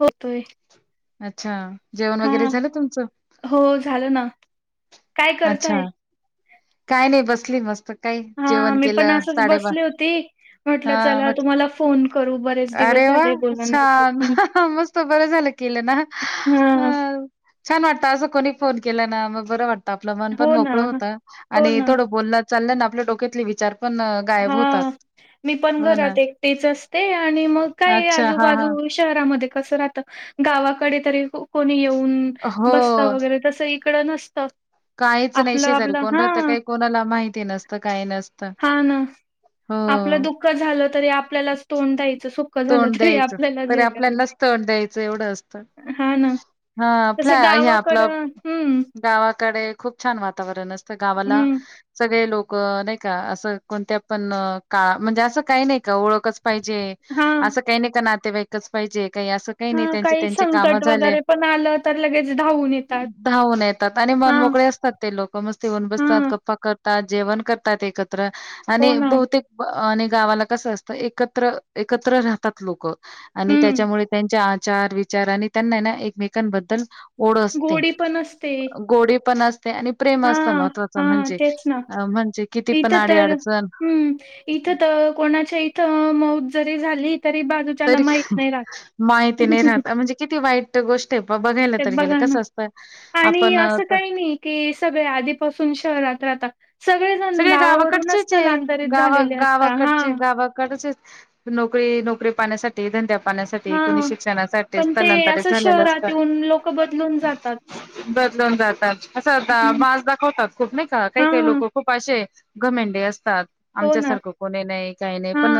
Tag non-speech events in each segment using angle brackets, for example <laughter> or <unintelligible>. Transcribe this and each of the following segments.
होतोय. अच्छा, जेवण हा वगैरे झालं तुमचं? हो झालं ना काय अच्छा. करतय? काय नाही बसली मस्त काही हा जेवण मी पण केलं असंच साडेब. बसली होती हा म्हटलं चला म्हट तुम्हाला फोन करू बरेच दिवस अरे वा झाले बोलण नाही छान झालं हं. मस्त बर झालं. ना हा छान वाटत अस को फोन न केला ना मग बर वाटत आपलं म पण हो ना मोकळं होत हो आणि ना थोडं ब चाललं आपल्या डोक्यातले विचार पण गायब हा होतात. मी पण हो ना. घरात एकटीच असते आणि मग काय अच्छा. हां, हां. आजूबाजू शहरामध्ये गावाकडे तरी कोणी येऊन बसता हो. वगैरे तस तिकडं नसतात. काहीच नाही शेजारी कोण राहत काही कोणाला माहिती नसतं काही नसतं. हा ना हो. आपलं दुःख झालं तरी आपल्याला तोंड द्यायचं. झालं तोंड तरी द्यायचं आपल्यालाच तरी हे करायचं आपल्यानाच तोंड द्यायचं एवढं असत. हा ना हा तसं आपल्या हे आपलं गावाकडं हम्म गावा गावाकडे खूप छान वातावरण असतं, गावाला हम्म सगळे लोक नाही का असं कोणत पण का म्हणजे असं काही नाही का ओळखच पाहिजे, हा असं काही नाही का नातेवाईकच पाहिजे. का अस काही हा नाही त्यां त्यां काम संकट झाले वगैरे पण आलं तर लगेच धावून येतात. धवून येतात, आणि हा मन मोकळे असतात, ते लोक मस्ती होऊन बसत हा गप्पा कर जेवण करतात एकत्र हो आणि ना बहुतेक आणि गावाला कसं असतं एकत्र एकत्र राहतात लोक आणि हम्म त्याच्यामुळे त्यांच्या चार विचार आणि त्यांना ना एकमेकांबद्दल ओढ असते गोडी पण असते गोडी पण असते. ते आणि प्रेम हा असत महत्त्वाच हा म्हणजे तेच ना अ म्हणजे किती पण अडी अडचण इथ कोणाच्या इथ मौत जरी झाली. तरी बाजूच्याला तरी माहित नाही माहिती नाही राहत. राहत म्हणजे किती वाईट गोष्ट आहे बघायला ते तर गेलं बघा ना कसं असतं आणि आपण अ, असं तर काही नाही कि सगळे आधीपासून शहरात <unintelligible> सगळेजण सगळे गावावरूनच गावाकडचेच आहे स्थलांतरित गावा झालेले असता हा गावाकडचे गावाकडचे नोकरी नोकरी पाहण्यासाठी धंद्या पाण्यासाठी कुणी हा शिक्षणासाठी पण ते स्थलांतरित असं झालेलं. शहरात येऊन लोक बदलून जातात. बदलून जातात असं आता हं, माज दाखवतात खूप नाही काही काही लोक हां. खूप असे घमेंडे असतात आमच्यासारख कोणी नाही. काही नाही हा पण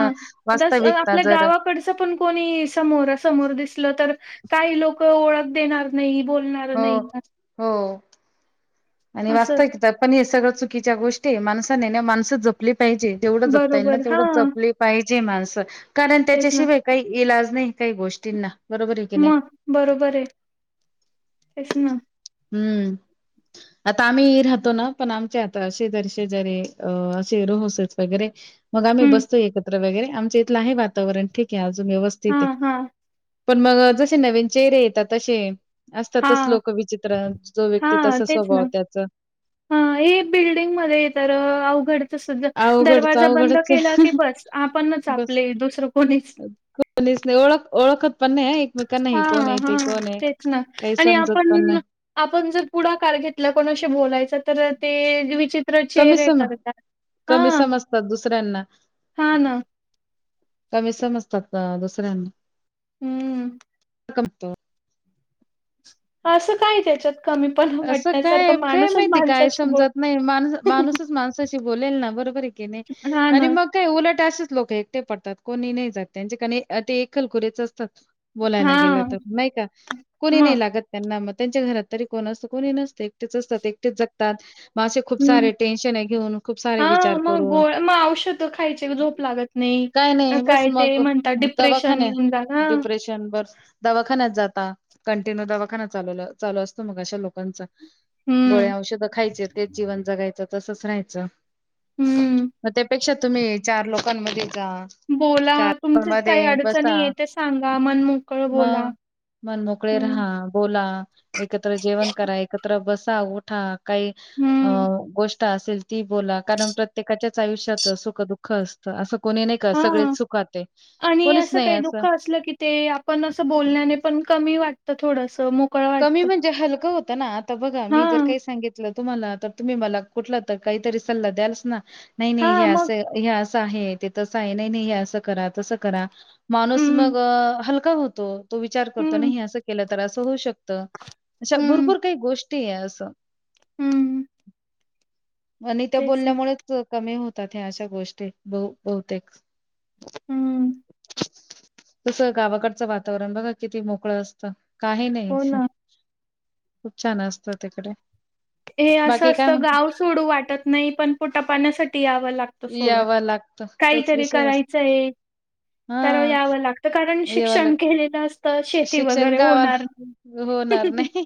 आता वास्तविकता आपल्या जर गावाकडचं पण कोणी समोरा समोर दिसलं तर काही लोक ओळख देणार नाही बोलणार हो नाही. हो आणि वाचतव असंच. क पण हे सगळं चुकीच्या गोष्टी माणसाने माणसच जपली, पाहिजे जेवढ जपता येईल ना बरोबर तेवढ हां. जपले पाहिजे, माणस कारण तेच ना. त्याच्याशिवाय काही इलाज नाही काही गोष्टींना. बरोबर आहे की नाही मग बरोबर आहे हेच ना हम्म आता आम्ही राहतो, ना पण आमचे आता असे जरसे जरी अ असे रोहस वगैरे मग आम्ही हं. बसतोय एकत्र वगैरे आमचं इथलं आहे वातावरण ठीक आहे अज व्यवस्थित आहे. हां, हां. पण मग जसे नवीन चेहरे येतात तसे असतातच लोक विचित्र जो हा व्यक्ती तसा तेच स्वभाव ना त्याचा बिल्डिंग मध्ये तर द् अवघडच दरवाजा बंद अवघडच केला की आहे बस आपण आपले दुसरं कोणीच स् नाही ओळ एक मेक हा हा तेच ना आणि समजत पण आपण नाही. आपण जर पुढाकार घेतला कोणाशी बोलायच, तर ते विचित्र कमी चेहरे सम करतात. कमी हां, समजतात दुसऱ्यांना हां ना. कमी समजतात ना दुसऱ्यांना हम्म. कमतो. हा असं काय त्याच्यात कमीपणा असं काय वाटण्यासारखं काय माणूसच माहिती काय माणसाशी बोल समजत नाही माणस माणूसच माणसाशी बोलेल ना बरोबर आहे. हां नि ना, म काय उओलट अस. लोक एकटे पडतात कोणी नाही जात त्यांच्याक ते एक खल खुरेच. बोलायला गेलं हां तर नाही का कोणी मग. नाही लागत त्यांना मग त्यांच्या घरात तरी कोण असतं कोणी नसत एकटेच असतात एकटेच जगतात. मासे खूप हम्म, सारे टेन्शन आहे घेऊन खूप सारे हां विचार मग करून गोळ मग औषध खायचे झोप लागत नाही. काय नाही बस काय ते मग म्हणतात डिप्रेशन दवाखाने येऊन जात हां, डिप्रेशन बर. दवाखान्यात जाता कंटिन्यू दवाखा ल चालू असतो मग अशा लोकांचा हम्म. गोळ्या औषध खायचे तेच जीवन जगायचं तसच राहायचं. हम्म, मग त्यापेक्षा तुम्ही चार लोकांमध्ये जा बोला चार पण तुमचीच काही मध्ये बसा अडचणी आहे ते सांगा मन मोकळं बोला. मग. मन मोकळे हम्म. राहा बोला. एकत्र जेवण करा एकत्र बसा उठा काही अ हम्म. गोष्ट असेल ती बोला कारण प्रत्येकाच्याच आयुष्यात सुख दुःख असतं असं. कोणी नाही का हां. सगळेच चुकात. आणि असं काही दुःख असलं की ते आपण असं बोलण्याने पण कमी वाटत. कमी म्हणजे हलकं होत ना आता बघा मी जर हां. काही सांगितलं. तुम्हाला तर तुम्ही मला कुठला तर काहीतरी सल्ला द्याल ना नाही नाही हे हां, मग अस. आहे ते तसं आहे नाही नाही असं करा तसं करा माणूस हं, मग हलका होतो. तो विचार करतो हं, नाही असं केलं तर असं होऊ शकतं अशा भरपूर काही गोष्टी आहे असं. हम्म. आणि त्या बोलन्यामुळेच कमी होतात हे अशा गोष्टी ब बहुतेक. हम्म. तस गावाकडचं वातावरण बघा किती मोकळ असतं. काही नाही हो ना. खूप छान असत तिकडे. हे असं बाकी काय असतं म्हणता? गाव सोडू वाटत नाही पण पोटा पाण्यासाठी या व लागत सोडून यावं लागतं. तोच काहीतरी विषय असतो. करायचंय. तर हां. यावं लागत कारण येवाला शिक्षण केलेलं अस. शिक्षण गावात होणार नाही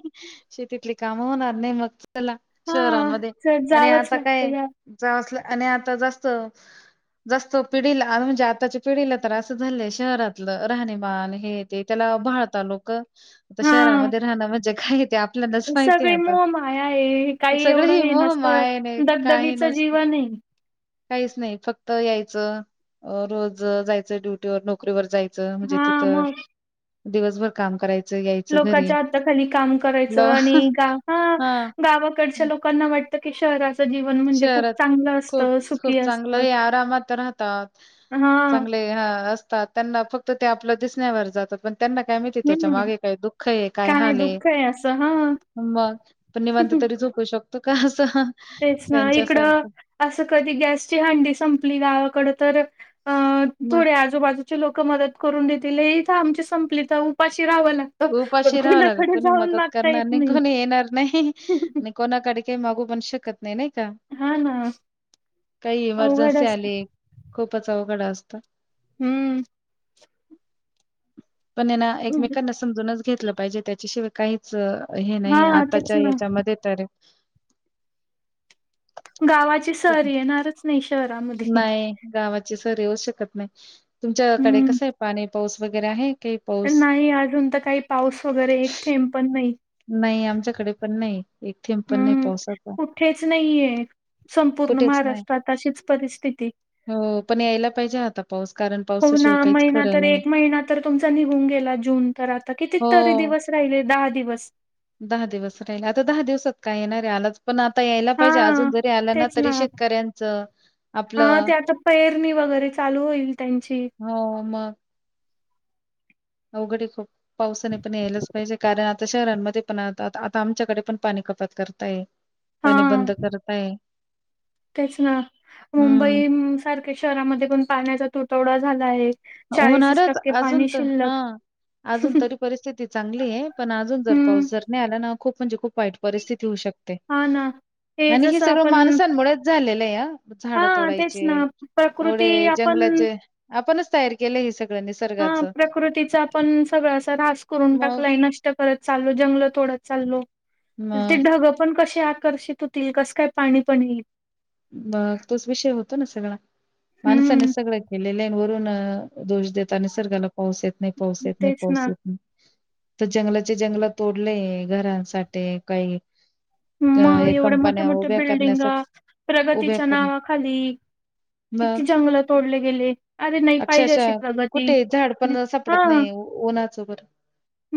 शेतीतली काम होणार नाही मग चला हां. शहरांमध्ये तर आणि जावंच आता लागतं काय या जावं च. आणि आता जास्त. जास्त पिढीला म्हणजे आताच्या पिढीला तर असं झालंय शहरातलं राहणीमान हे ते त्याला भाळता लोक आता शहरामध्ये राहणं म्हणजे काय. ते आपल्यालाच माहितीय सगळे आता. मोह माया आहे हे काही सगळं एवढं ही हे मोह नस माय नाही काही दगदगीचं नसत जीवन नाही. काहीच नाही फक्त यायचं रोज जायचं ड्युटीवर नोकरीवर जाय च म्हणजे तिथ हा दिवसभर काम कराय. लोकाच्या हाताखाली काम करायचं लव आणि गावा हां. गावाकडच्या हं. लोकांना वाटतं. की शहरा शहरात खूप सुखी खूप चांगलं असतं. हे आरामात राहतात. हा चांगले असतात त्यांना फक्त ते आपलं दिसण्यावर जातात पण त्यांना काय माहिती त्याच्या हम्म मागे काय दुःख आहे काय हाल आहे. दुःख असं हा मग पण निवांत तरी झोपू शकतो का असं? तेच ना इकडं त्यांच्यासारखं. असं कधी गॅसची हंडी संपली गावाकड तर अ मग थोड्या आजूबाजूचे लोक मदत करून देेतील इथ आमची संपली तर उपाशी राहावं लागतं. पण उपाशी राहावं लागल कुणाकडे कोणी जाऊन मदत मागता करणार येत नाही कोणी येणार नाही आणि कोणाकडे काही मागू पण शकत नाही नाही का हा ना काही अवघड इमर्जन्सी असत. आली. खूपच अवघड असत. हम्म. पण यांना एकमेकांना समजूनच घेतलं पाहिजे त्याच्याशिवाय काहीच हे नाही हा तेच आताच्या ना याच्यामध्ये तर. गावाची खूप सर येणारच नाही श नाही गावाची सर येऊच शकत नाही तुमच्याकडे हम्म कसं आहे पाणी. पाऊस वगैरे आहे? काही पाऊस? नाही अजून तर काही पाऊस वगैरे एक थेंब पण नाही. नाही आमच्याकडे पण नाही एक थेंब पण नाही हम्म पावसाच. कुठेच नाहीये संपूर्ण कुठेच नाही महाराष्ट्रात अशीच परिस्थिती हो पण यायला पाहिजे. आता पाऊस कारण हो ना पावसाशिवाय काहीच महिना खरं तर नाही. एक महिना तर तुमचा निघून गेला जून तर आता किती तरी हो. दिवस राहिले दहा. दिवस. दहा दिवस राहिले आता दहा दिवसात. काय येणारे आला पण आता यायला हा पाहिजे अजून जरी आलं ना तरी शेतकऱ्यांचं हा आपलं. ते आता पेरणी वगैरे चालू होईल त्यांची. हो मग अवघड आहे, खूप पावसाने पण यायलाच पाहिजे कारण आता शहरांमध्ये पण आता आता आता आमच्याकडे पण पाणी कपात करत आहे, पाणी हा बंद करत आहे. तेच ना मुंबई सारख्या शहरामध्ये पण पाण्याचा तुटवडा झाला आहे. चाळीसच होणारच टक्के अजून पाणी तर शिल्लक हां. अजून तरी परिस्थिती चांगली आहे पण अजून जर हम्म पाऊस जर नाही आला ना खूप. म्हणजे खूप वाईट परिस्थिती होऊ शकते हा ना. आणि हे जसं सगळं आपण माणसांमुळेच झालेलं आहे हां. हा झाडं तेच तोडायचे ना प्रकृती एवढे आपण जंगलाचे आपणच तयार केले हे सग हां प्रकृतीचा आपण सगळं अस ऱ्हास करून मग? टाकलाय नष्ट करत चालो जंगलत. थोडं चाललो ते मग ढगं पण कसे आकर्षित होतील कसं काय पाणी पण येईल. मग तोच विषय होतो, ना सगळा माणसाने हम्म. सगळं केलेलं आहे वरून. दोष देता निसर्गाला पाऊस येत नाही, पाऊस येत नाही, तेच पाऊस ना येत नाही. तर जंगलाचे जंगल तोडले घरांसाठी काही. अ, मग या एवढ्या मोठ्या कंपन्या मोठ्या उभ्या बिल्डिंग करण्यासाठी उभ्या प्रगतीच्या कर नावाखाली. मग किती जंगल तोडले गेले अरे नाही पाहिजे अशी अक्षरशः प्रगती हा. ऊनाच बर.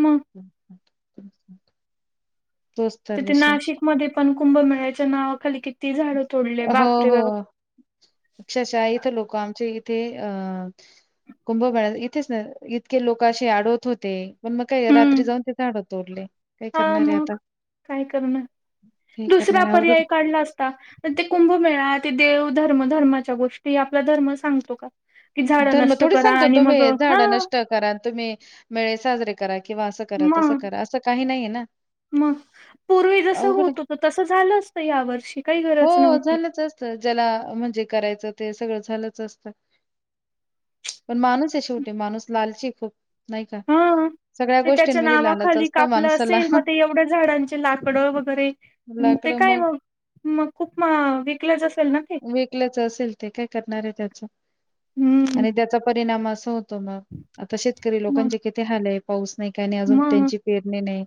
मग तोच तर तिथे विषय. नाशिकमध्ये पण कुंभमेळाच्या नावाखाली कि. हो हो अक्षाशा इथ लोक आमचे इ ते अ कुंभमेळ इथेच ना इतके लोकशी आडवत होते. पण मग काय हम्म रात्री जाऊन ते झाडे तोडले काय हा करणारे आता. मग काय करण काही दुसरा करणार आहे अवघड पर्याय काढला असता. ते कुंभमेळा ते देव धर्म धर्माच्या गोष्टी आपला धर्म सांगतो का. कि झाडं धर्म नष्ट थोडी करा सांगतो आणि मग तुम्ही हा झाड नष्ट करा तुम्ही मेळे साजरे करा. किंवा असं करा तसं मग करा असं काही नाहीये ना. मग पूर्वी जसं अवघड आहे. होतो, तर तसं झालं असत या वर्षी काही गरज हो, नव्हती. झालंच असतं. ज्याला म्हणजे करायचं. ते सगळं झालंच असत पण माणूस आहे, शेवटी माणूस लालची खूप. नाही का हा <unintelligible> ते त्याच्या गोष्टींमध्ये लालच नावाखाली असतं कापलं माणसाला. असेल मग ते एवढ्या झाडांचे लाकडं वगैरे ते लाकडं का. मग! मग खूप म विकलाच असेल. ना ते विकलच असेल ते काय करणार आहे, त्याच हम्म आणि त्याचा परिणाम अस होत. त मग शेतकरी मग लोकांचे किती हलय पाऊस नाही का नाही अजून मग त्यांची पेरणे नाही.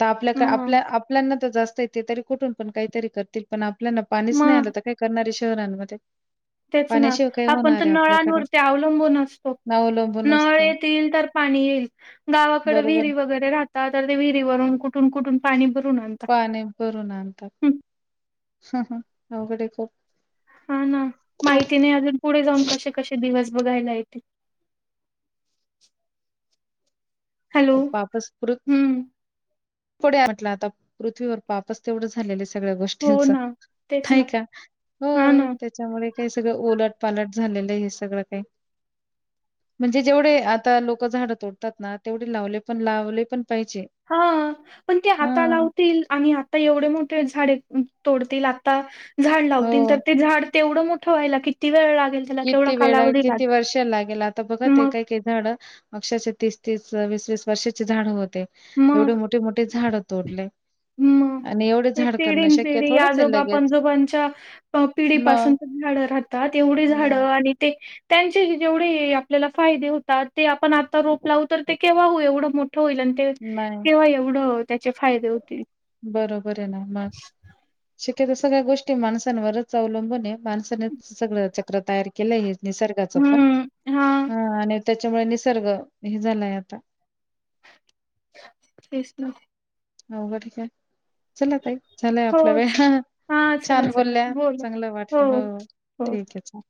तर आपल्याक मग आपल्या आपल्याना तर जास्त येते तरी कुठून पण काहीतरी करतील पण. आपल्याना पाणीच नाही आलं मग तर काय करणारी शहरांमध्ये. तेच ना पाण्याशिवाय काय आपण तर होणार आहे आपल्याकडं नळांवरती अवलंबून असतो ना अवलंबून नळ असतं येतील तर पाणी येईल गावाकडे बरोबर विहिरी वगैरे राहतात तर ते विहिरीवरून कुठून कुठून पाणी भरून आणतात पाने भरून हं, आणतात अघडे कर हा ना माहिती नाही अजून पुढे जाऊन कसे कसे दिवस बघायला य ते पापस् पुृत हम्म पुढे म्हट आता पृथ्वीवर पापस तेवढं झालेले सगळ्या हो गोष्टींच ना तेच नाही ना का हो हा ना. त्याच्यामुळे काही सगळं उलटपालट झालेलं आहे हे सगळं काही म्हणजे जेवढे आता लोक झाडं तोडतात ना तेवढे लावले पण लावले पण पाहिजे. हा पण ते आता हां. लावतील आणि आता एवढे मोठे झाडे तोडतील आता झाड लावतील तर हो. ते झाड तेवढं मोठं व्हायला किती वेळ लाग किती वेळा किती वर्ष लागेल आता बघत आहे मग काय का झाड अक्षरशे तीस तीस स वीस वीस वर्षाचे झाड होते एवढे मोठे मोठे झाड हो त उरले ह ते पिढीन पिढी थोडंच आहे आजोबा लगेच. पणजोबांच्या पिढी पाासून मग, राहतात तेवढे झाड मग आणि त्यांचे जेवढे आपल्याला फायदे होतात ते आपण आता रोप लावू तर ते केव्हा एवढं मोठं होईल नाही. तेव्हा एवढं त्याचे फायदे होतील बरोबर आहे ना मग सगळ्या गोष्टी माणसांवरच अवलंबून आहे माणसानेच सगळं चक्र तयार केलं आहे निसर्गाच पण हा आणि त्याच्यामुळे निसर्ग हे झालाय आता तेसल हो का ठीक आहे चला तई झालं आपल्या हो. वेळ हां. चला, छान चला. बोलल्या बोला. चांगलं वाटलं हो हो. ठीक आहे